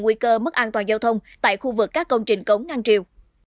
nguy cơ mất an toàn giao thông tại khu vực các công trình cống ngăn triều